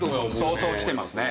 相当きてますね。